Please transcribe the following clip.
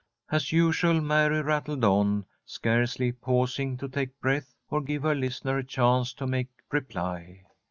As usual Mary rattled on, scarcely pausing to take breath or give her listener a chance to make reply.